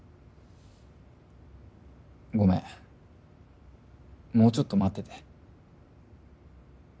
ごめんもうちょっと待ってて。